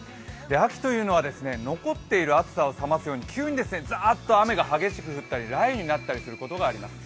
秋というのは残った暑さを覚ますように急にザーッと雨が激しく降ったり雷雨になったりすることがあります。